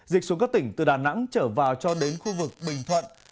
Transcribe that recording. dịch xuống các tỉnh từ đà nẵng trở vào cho đến khu vực bình thuận